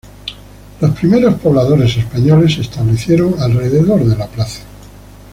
Los primeros pobladores españoles se establecieron alrededor de la plaza.